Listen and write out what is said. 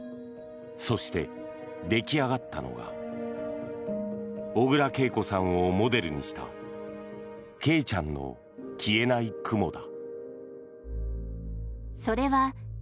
そして、出来上がったのが小倉桂子さんをモデルにした「ケイちゃんの消えない雲」だ。